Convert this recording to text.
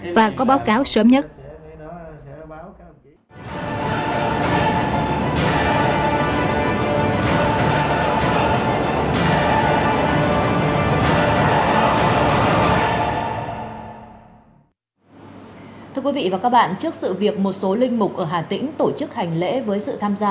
và có báo cáo sớm nhất